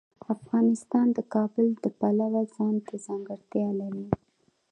افغانستان د کابل د پلوه ځانته ځانګړتیا لري.